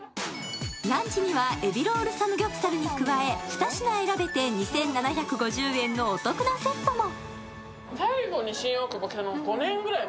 ランチには、エビロールサムギョプサルに加え、２品選べて２７５０円のお得なセットも。